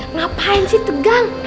ngapain sih tegang